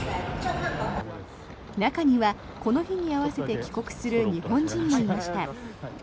中には、この日に合わせて帰国する日本人もいました。